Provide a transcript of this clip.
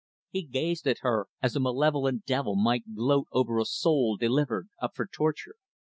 He gazed at her, as a malevolent devil might gloat over a soul delivered up for torture.